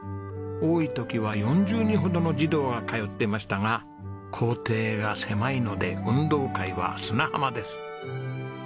多い時は４０人ほどの児童が通ってましたが校庭が狭いので運動会は砂浜です。